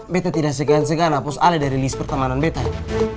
beto tidak segan segan hapus ale dari list pertemanan beto ya